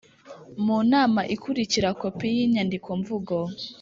mu nama ikurikira Kopi y inyandikomvugo